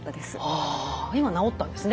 ああ今治ったんですね。